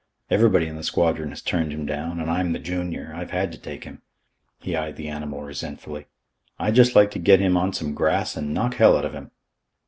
Everybody in the squadron has turned him down, and I'm the junior, I've had to take him." He eyed the animal resentfully. "I'd just like to get him on some grass and knock hell out of him!"